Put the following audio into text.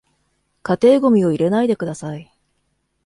家庭ゴミを入れないでください